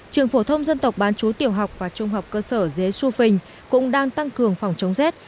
trường phổ thông dân tộc bán chú tiểu học và trung học cơ sở dế xu phình cũng đang tăng cường phòng chống rét